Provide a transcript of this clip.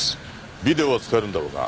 ビデオは使えるんだろうな？